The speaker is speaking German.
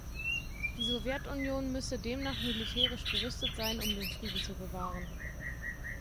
Die Sowjetunion müsse demnach militärisch gerüstet sein, um den Frieden zu bewahren.